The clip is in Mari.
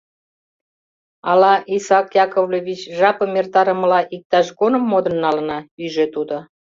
— Ала, Исаак Яковлевич, жапым эртарымыла, иктаж коным модын налына, — ӱжӧ тудо.